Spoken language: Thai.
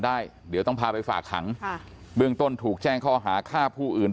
ได้เดี๋ยวต้องพาไปฝากขังค่ะเบื้องต้นถูกแจ้งข้อหาฆ่าผู้อื่น